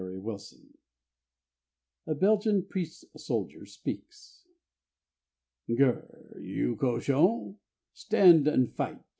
My Foe A Belgian Priest Soldier Speaks: GURR! You 'cochon'! Stand and fight!